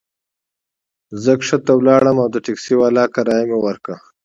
زه کښته ولاړم او د ټکسي والا کرایه مي ورکړه.